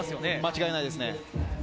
間違いないです。